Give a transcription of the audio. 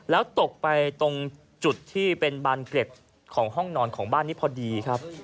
แล้วตกไปตรงจุดที่เป็นบานเกร็ดของห้องนอนของบ้านนี้พอดีครับ